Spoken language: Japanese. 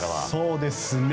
そうですね。